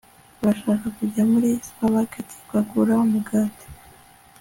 urashaka kujya muri supermarket ukagura umugati